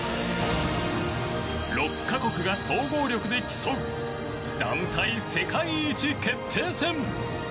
６か国が総合力で競う団体世界一決定戦。